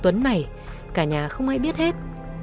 tuấn này cả nhà không ai biết hết